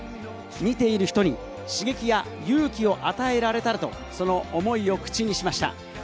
見ている人に刺激や勇気を与えられたらと、その思いを口にしました。